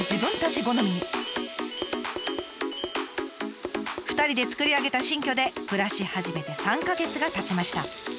２人で作り上げた新居で暮らし始めて３か月がたちました。